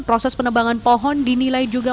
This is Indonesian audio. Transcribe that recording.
proses penebangan pohon dinilai juga